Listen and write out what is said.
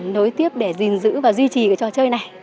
nối tiếp để gìn giữ và duy trì cái trò chơi này